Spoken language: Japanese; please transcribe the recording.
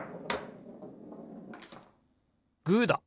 グーだ！